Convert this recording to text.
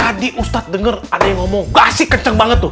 tadi ustadz dengar ada yang ngomong gak sih kenceng banget tuh